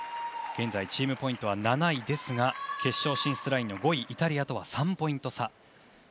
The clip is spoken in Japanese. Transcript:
現在、チームポイント７位ですが決勝進出ラインの５位イタリアとは３ポイント差。